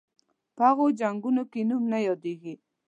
په هغو جنګونو کې نوم نه یادیږي.